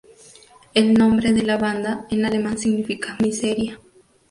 El nombre de la banda, en alemán significa "miseria".